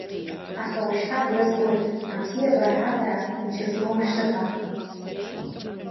Аха ушьҭа агәра згоит, абзиабара аҟара мчы змоу шыҟам.